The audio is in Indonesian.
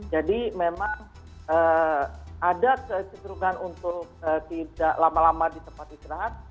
jadi memang ada keseturuhan untuk tidak lama lama di tempat istirahat